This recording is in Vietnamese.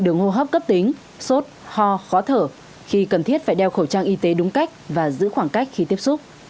đường hô hấp cấp tính sốt ho khó thở khi cần thiết phải đeo khẩu trang y tế đúng cách và giữ khoảng cách khi tiếp xúc